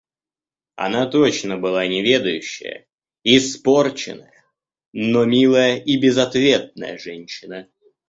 Она точно была неведающая, испорченная, но милая и безответная женщина.